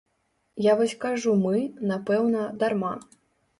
Я вось кажу мы, напэўна, дарма.